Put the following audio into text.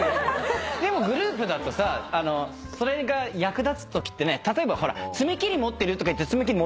でもグループだとさそれが役立つときってね例えばほら「爪切り持ってる？」とか言うと爪切り持ってる？